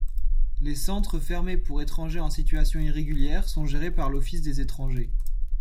Les centres fermés pour étrangers en situation irrégulière sont gérés par l'Office des étrangers.